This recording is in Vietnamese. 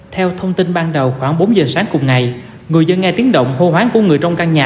theo thông tin ban đầu khoảng bốn giờ sáng cùng ngày người dân nghe tiếng động hô hoáng của người trong căn nhà